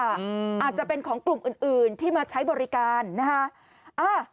อาจจะเป็นของกลุ่มอื่นอื่นที่มาใช้บริการนะฮะ